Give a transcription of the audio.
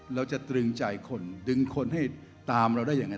เราจะตรึงใจคนดึงคนให้ตามเราได้อย่างนั้น